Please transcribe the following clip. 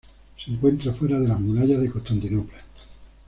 Se encuentra fuera de las Murallas de Constantinopla.